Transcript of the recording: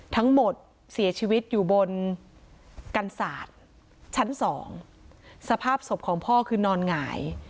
ทั้งหมดเสียชีวิตอยู่บนกันศาสตร์ชั้นสองสภาพศพของพ่อคือนอนหงาย